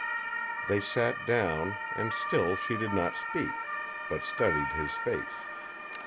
They sat down, and still she did not speak, but studied his face.